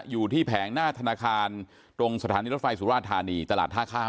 อยู่ที่แผงหน้าธนาคารตรงสถานีรถไฟสุราธานีตลาดท่าข้าม